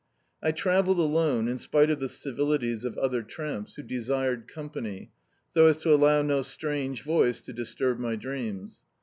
I travelled alone, in spite of the civilities of other tramps, who desired company, so as to allow no strange voice to disturb my dreams.